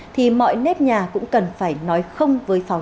thì mọi nếp nhà cũng cần phải nói không